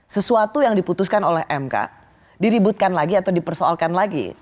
sesuatu yang diputuskan oleh mk diributkan lagi atau dipersoalkan lagi